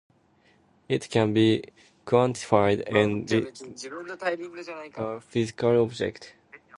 It can be quantified and represents a physical object.